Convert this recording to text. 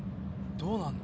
・どうなんの？